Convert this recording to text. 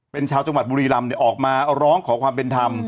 เป็นชาวจังหวัดบุรีรำออกมาร้องขอความเป็นธรรม